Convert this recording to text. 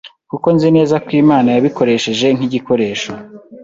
kuko nzi neza ko Imana yabikoresheje nk’igikoresho